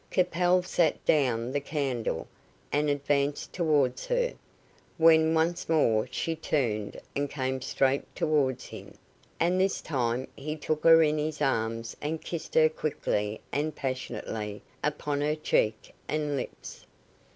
Capel set down the candle and advanced towards her, when once more she turned and came straight towards him, and this time he took her in his arms and kissed her quickly and passionately upon her cheek and lips.